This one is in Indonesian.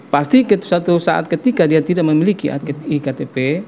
pasti suatu saat ketika dia tidak memiliki hak iktp